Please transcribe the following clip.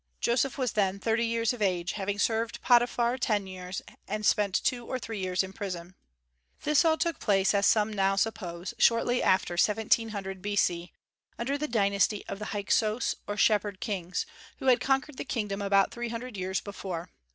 Joseph was then thirty years of age, having served Potiphar ten years, and spent two or three years in prison. This all took place, as some now suppose, shortly after 1700 B.C., under the dynasty of the Hyksos or Shepherd Kings, who had conquered the kingdom about three hundred years before.